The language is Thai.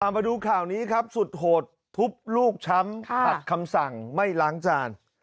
มาดูข่าวนี้ครับสุดโหดทุบลูกช้ำขัดคำสั่งไม่ล้างจาน